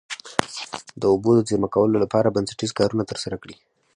د اوبو د زیرمه کولو لپاره بنسټیز کارونه ترسره کړي.